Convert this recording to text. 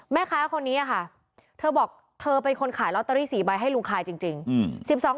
แม่ค้าคนนี้ค่ะเธอบอกเธอเป็นคนขายลอตเตอรี่๔ใบให้ลุงคายจริง